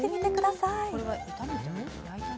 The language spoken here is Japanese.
これは炒めたの？